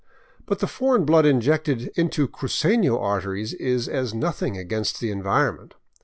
But the foreign blood injected into cruceiio arteries is as nothing against the environment.